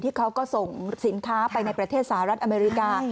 เขาก็ส่งสินค้าไปในประเทศสหรัฐอเมริกา